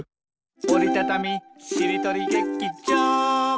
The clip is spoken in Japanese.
「おりたたみしりとり劇場」